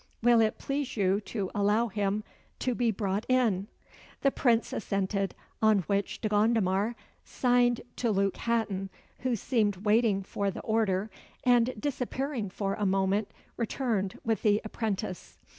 "Will it please you to allow him to be brought in?" The Prince assented, on which De Gondomar signed to Luke Hatton, who seemed waiting for the order, and, disappearing for a moment, returned with the apprentice.